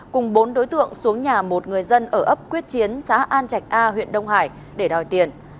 cùng bốn đối tượng xuống nhà một người dân ở ấp quyết chiến xã an trạch a huyện đông hải để đòi tiền